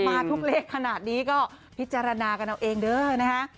มาทุกเลขขนาดนี้ก็พิจารณากันเอาเองเด้อนะฮะ